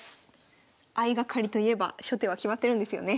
相掛かりといえば初手は決まってるんですよね？